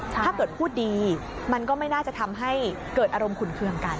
ถ้าเกิดพูดดีมันก็ไม่น่าจะทำให้เกิดอารมณ์ขุนเครื่องกัน